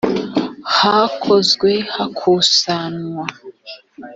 hakozwe hakusanywa